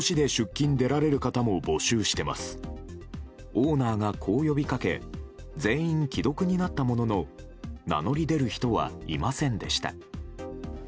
オーナーがこう呼びかけ全員既読になったものの名乗り出る人はいませんでした。